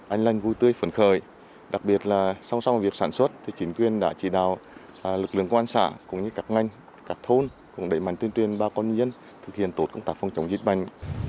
anh lanh vui tươi phấn khởi đặc biệt là sau sau việc sản xuất thì chính quyền đã chỉ đào lực lượng quan sản cũng như các ngành các thôn cũng đẩy mạnh tuyên truyền bà con dân thực hiện tốt công tác phong trọng dịch bệnh